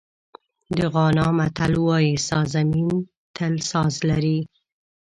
د غانا متل وایي سازمېن تل ساز لري.